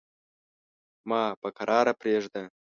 ما په کراره پرېږده.